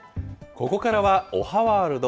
ここからは、おはワールド。